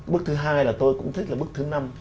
bước thứ hai là tôi cũng thích là bước thứ năm